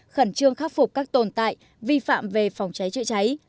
khẩn trương khắc phục các tồn tại vi phạm về phòng cháy chữa cháy